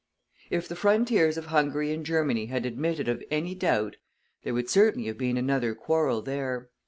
If the frontiers of Hungary and Germany had admitted of any doubt, there would certainly have been another quarrel there.